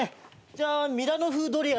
じゃあミラノ風ドリアで。